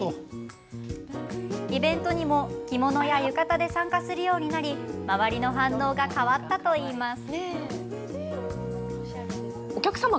イベントにも着物や浴衣で参加するようになり周りの反応が変わったといいます。